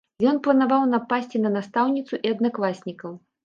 Ён планаваў напасці на настаўніцу і аднакласнікаў.